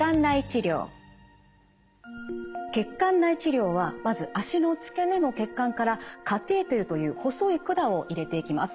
血管内治療はまず脚の付け根の血管からカテーテルという細い管を入れていきます。